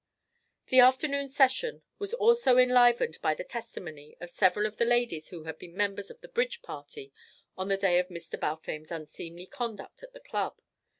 The afternoon session was also enlivened by the testimony of several of the ladies who had been members of the bridge party on the day of Mr. Balfame's unseemly conduct at the Club.